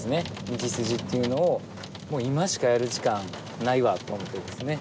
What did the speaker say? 道筋っていうのをもう今しかやる時間ないわと思ってですね。